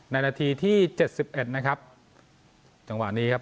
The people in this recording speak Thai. นาทีที่เจ็ดสิบเอ็ดนะครับจังหวะนี้ครับ